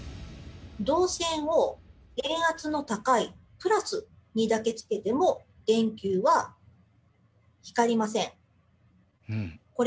導線を電圧の高い「＋」にだけつけても電球は光りません。